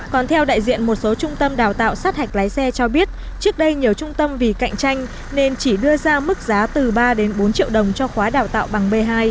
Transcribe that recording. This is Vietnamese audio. còn theo đại diện một số trung tâm đào tạo sát hạch lái xe cho biết trước đây nhiều trung tâm vì cạnh tranh nên chỉ đưa ra mức giá từ ba bốn triệu đồng cho khóa đào tạo bằng b hai